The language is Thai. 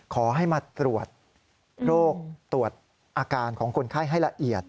ขอให้มาตรวจโรคตรวจอาการของคนไข้ให้ละเอียด